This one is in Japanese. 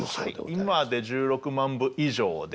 今で１６万部以上で。